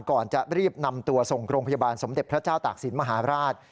ก่อนจะรีบนำตัวส่งโรงพยาบาลสมเด็จพระเจ้าตากศิลปมหาราช